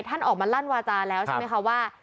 ท่านออกมาลั่นวาจาแล้วใช่ไหมคะว่า